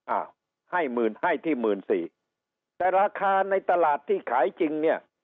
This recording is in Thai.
อ่าให้ที่๑๔๐๐๐แต่ราคาในตลาดที่ขายจริงเนี่ย